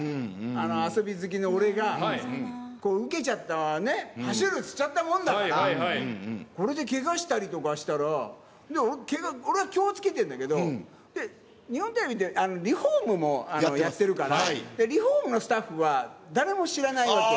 遊び好きの俺が、受けちゃった、走れるって言っちゃったもんだから、これでけがしたりとかしたら、俺は気をつけてるんだけど、で、日本テレビってリフォームもやってるから、リフォームのスタッフは誰も知らないわけよ。